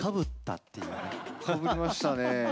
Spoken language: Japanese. かぶりましたね。